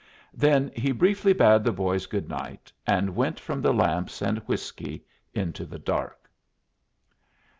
Then he briefly bade the boys good night, and went out from the lamps and whiskey into the dark.